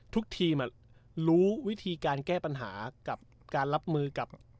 ทุกทีมรู้วิธีการแก้ปัญหากับการรับมือกับ